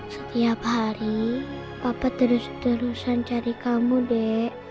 setiap hari bapak terus terusan cari kamu dek